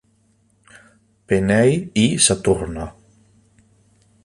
Penney y Saturno.